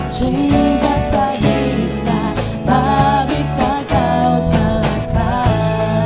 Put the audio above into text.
cinta tak bisa tak bisa kau serta